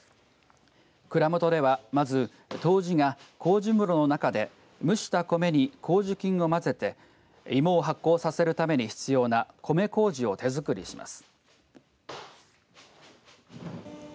蔵元ではまず、杜氏が麹室の中で蒸した米に麹菌を混ぜて芋を発酵させるために必要な米こうじを手作りします。